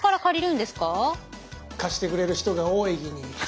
貸してくれる人が多いきに